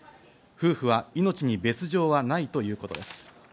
夫婦は命に別条はないということです。